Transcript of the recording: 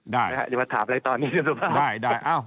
เดี๋ยวมาถามอะไรตอนนี้ด้วยครับ